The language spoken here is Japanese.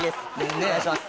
お願いします